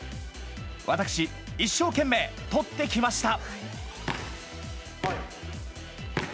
私、一生懸命取ってきました。